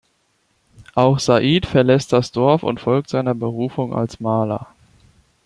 Auch Said verlässt das Dorf und folgt seiner Berufung als Maler.